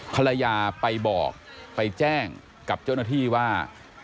ภรรยาไปบอกไปแจ้งกับเจ้าหน้าที่ว่า